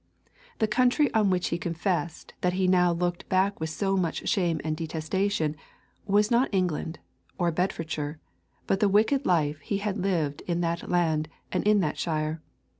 The country on which he confessed that he now looked back with so much shame and detestation was not England or Bedfordshire, but the wicked life he had lived in that land and in that shire.